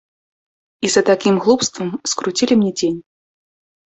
І за такім глупствам скруцілі мне дзень.